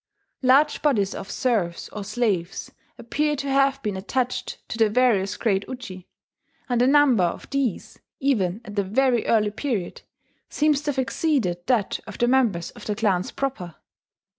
Large bodies of serfs or slaves appear to have been attached to the various great Uji; and the number of these, even at a very early period, seems to have exceeded that of the members of the clans proper.